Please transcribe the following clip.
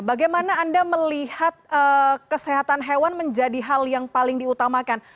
bagaimana anda melihat kesehatan hewan menjadi hal yang paling diutamakan